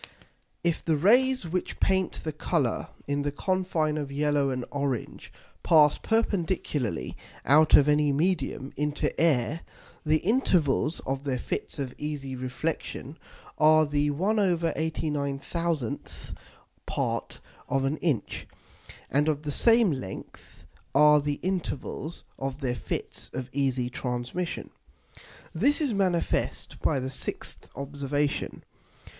_If the Rays which paint the Colour in the Confine of yellow and orange pass perpendicularly out of any Medium into Air, the Intervals of their Fits of easy Reflexion are the 1/89000th part of an Inch. And of the same length are the Intervals of their Fits of easy Transmission._ This is manifest by the 6th Observation.